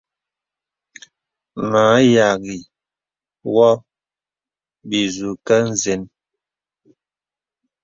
Mə a yaghì wɔ bìzūkə̀ nzən.